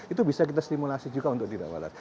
itu bisa kita stimulasi juga untuk tidak balas